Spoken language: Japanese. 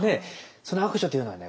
その悪女というのはね